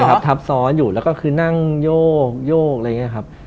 ทับซ้อนอยู่แล้วก็คือนั่งโยกอะไรอย่างนี้ครับ